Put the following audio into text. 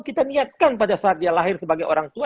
kita niatkan pada saat dia lahir sebagai orang tua